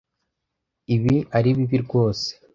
Ibi ari bibi rwose.